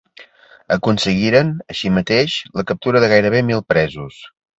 Aconseguiren, així mateix, la captura de gairebé mil presos.